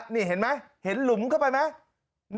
นี่เห็นป่ะเห็นหลุมเข้าไปเป็นไหม